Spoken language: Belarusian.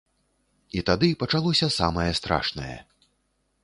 І тады пачалося самае страшнае.